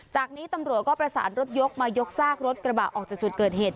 จากนี้ตำรวจก็ประสานรถยกมายกซากรถกระบะออกจากจุดเกิดเหตุ